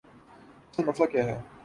اصل مسئلہ کیا ہے؟